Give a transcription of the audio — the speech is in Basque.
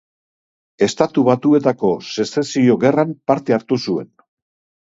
Estatu Batuetako Sezesio Gerran parte hartu zuen.